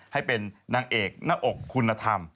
ให้เป็นนางเอกหน้าอกคุณธรรม